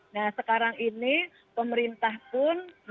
nah sekarang ini pemerintah pun